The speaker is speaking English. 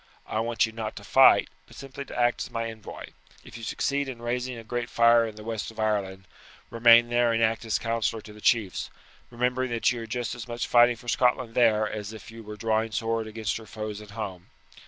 I want you not to fight, but simply to act as my envoy. If you succeed in raising a great fire in the west of Ireland, remain there and act as councillor to the chiefs, remembering that you are just as much fighting for Scotland there as if you were drawing sword against her foes at home.